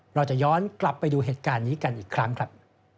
เราจะย้อนกลับไปดูเหตุการณ์นี้กันอีกครั้งครับ